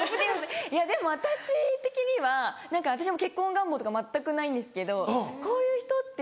いやでも私的には何か私も結婚願望とか全くないんですけどこういう人っていうか。